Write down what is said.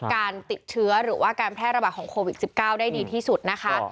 การติดเชื้อหรือว่าการแพร่ระบาดของโควิด๑๙ได้ดีที่สุดนะคะ